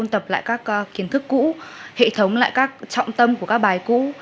tập lại các kiến thức cũ hệ thống lại các trọng tâm của các bài cũ